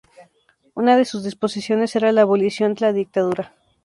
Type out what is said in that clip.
Una de sus disposiciones era la abolición de la dictadura.